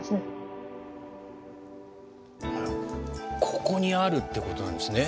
ここにあるってことなんですね。